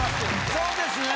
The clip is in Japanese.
そうですね。